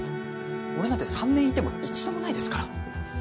俺なんて３年いても一度もないですから。